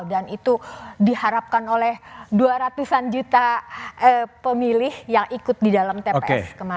dan itu diharapkan oleh dua ratus an juta pemilih yang ikut di dalam tps kemarin